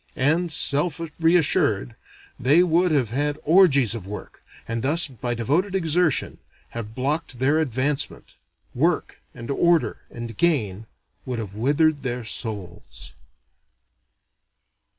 And, self reassured, they would then have had orgies of work; and thus, by devoted exertion, have blocked their advancement. Work, and order and gain would have withered their souls.